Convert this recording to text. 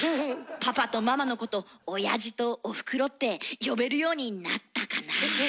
パパとママのことおやじとおふくろって呼べるようになったかなあ。